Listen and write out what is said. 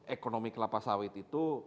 ekonomi kelapa sawit itu